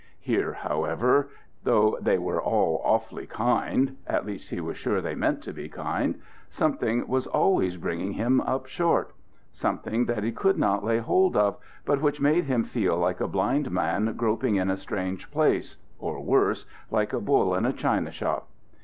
Here, however, though they were all awfully kind, at least, he was sure they meant to be kind, something was always bringing him up short: something that he could not lay hold of, but which made him feel like a blind man groping in a strange place, or worse, like a bull in a china shop.